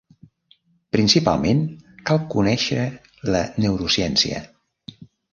Principalment, cal conèixer la Neurociència.